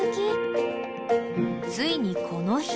［ついにこの日］